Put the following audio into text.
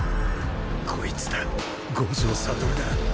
こいつだ五条悟だ！